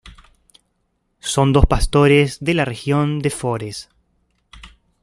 Son dos pastores de la región de Forez.